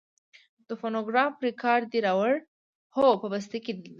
د فونوګراف رېکارډ دې راوړ؟ هو، په بسته کې دننه.